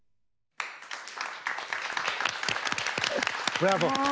ブラボー。